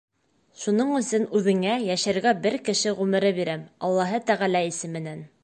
Шуның өсөн үҙеңә йәшәргә бер кеше ғүмере бирәм Аллаһы Тәғәлә исеменән.